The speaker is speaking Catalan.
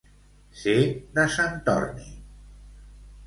Ser de Sant Torni.